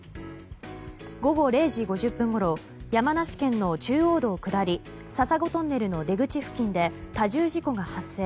午後０時５０分ごろ山梨県の中央道下り笹子トンネルの出口付近で多重事故が発生。